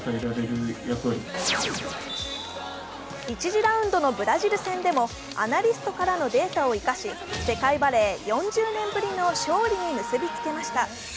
１次ラウンドのブラジル戦でもアナリストからのデータを生かし世界バレー４０年ぶりの勝利に結びつきました。